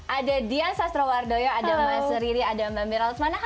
ada dian sastrowardoyo ada mas riri ada mbak miral manaha